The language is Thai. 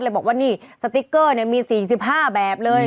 เลยบอกว่านี่สติกเกอร์เนี่ยมี๔๕แบบเลย